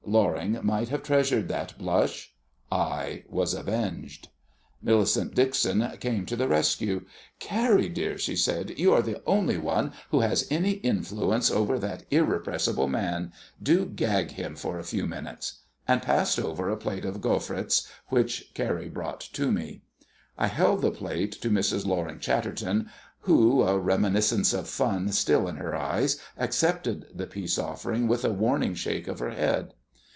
Loring might have treasured that blush. I was avenged. Millicent Dixon came to the rescue. "Carrie, dear," she said, "you are the only one who has any influence over that irrepressible man. Do gag him for a few minutes;" and passed over a plate of gaufrettes, which Carrie brought to me. I held the plate to Mrs. Loring Chatterton, who, a reminiscence of fun still in her eyes, accepted the peace offering with a warning shake of her head.